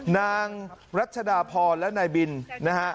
นางรัชดาพรและนายบินนะฮะ